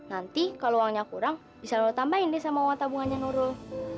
nanti kalo uangnya kurang bisa nurul tambahin deh sama uang tabungannya nurul